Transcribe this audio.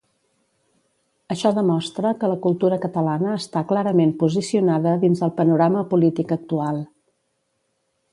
Això demostra que la cultura catalana està clarament posicionada dins el panorama polític actual.